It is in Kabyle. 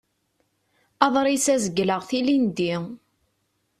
Aḍris-a zegleɣ-t ilindi.